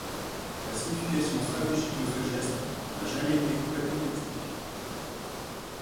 La signification stratégique de ce geste n'a jamais été complètement expliquée.